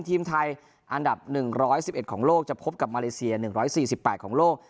ทีมไทยอันดับ๑๑๑ของโลกจะพบกับมาเลเซีย๑๔๘ของโลก